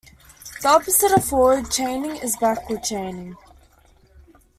The opposite of forward chaining is backward chaining.